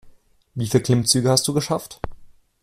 Wie viele Klimmzüge hast du geschafft?